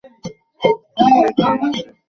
আমি গিয়ে ডিএসপি আর ফরেস্ট অফিসারের সাথে দেখা করছি।